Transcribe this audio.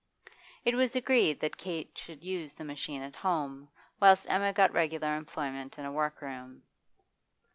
It was agreed that Kate should use the machine at home, whilst Emma got regular employment in a workroom.